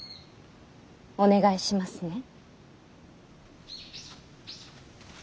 お願いしますね。